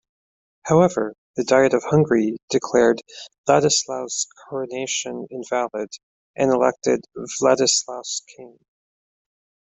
However, the Diet of Hungary declared Ladislaus's coronation invalid and elected Vladislaus king.